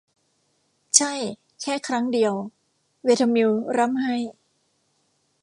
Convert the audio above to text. ใช่ แค่ครั้งเดียว เวเธอมิลล์ร่ำไห้